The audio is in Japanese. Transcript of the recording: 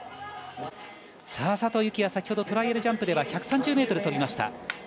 佐藤幸椰、先ほどトライアルジャンプでは１３０ｍを飛びました。